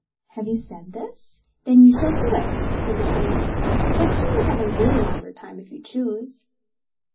"Have you said this? then you shall do it", said the queen; "but you may have a little longer time if you choose."